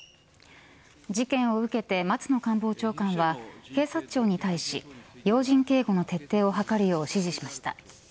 事件を受けて松野官房長官は警察庁に対し、要人警護の徹底を図るよう指示しました。